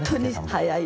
はい。